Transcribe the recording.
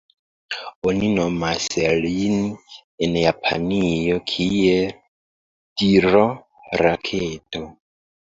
Oni nomas lin en Japanio kiel "D-ro Raketo".